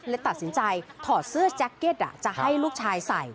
ตัดสินใจถอดเสื้อแจ็คเก็ตจะให้ลูกชายใส่